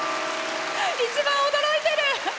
一番、驚いてる！